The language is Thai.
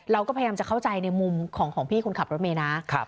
เราก็พยายามจะเข้าใจในมุมของพี่คนขับรถเมย์นะ